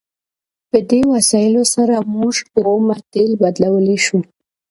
په دې وسایلو سره موږ اومه تیل بدلولی شو.